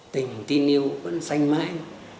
tình tin yêu vẫn sanh mãi